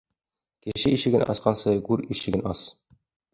Кеше ишеген асҡансы, гүр ишеген ас.